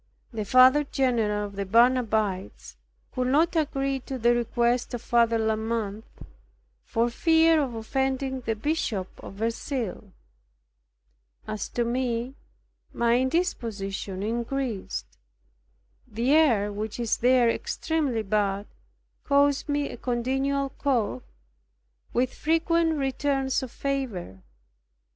The Father general of the Barnabites would not agree to the request of Father de la Mothe, for fear of offending the Bishop of Verceil. As to me, my indisposition increased. The air, which is there extremely bad, caused me a continual cough, with frequent returns of fever.